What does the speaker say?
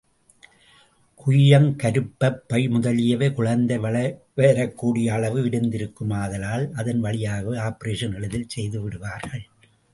குய்யம், கருப்பப் பை முதலியவை குழந்தை வெளிவரக் கூடிய அளவு விரிந்திருக்குமாதலால் அதன் வழியாகவே ஆப்பரேஷனை எளிதில் செய்துவிடுவார்கள்.